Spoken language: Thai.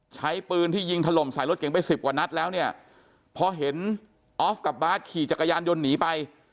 ใช้ปืนที่ยิงถล่มใส่รถเก่งไปสิบกว่านัดแล้วเนี่ยพอเห็นออฟกับบาร์ดขี่จักรยานยนต์หนีไป